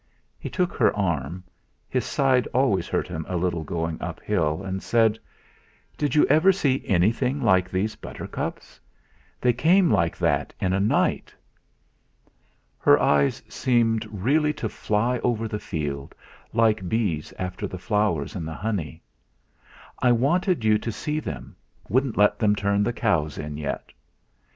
He took her arm his side always hurt him a little going uphill and said: "Did you ever see anything like those buttercups? They came like that in a night." Her eyes seemed really to fly over the field, like bees after the flowers and the honey. "I wanted you to see them wouldn't let them turn the cows in yet."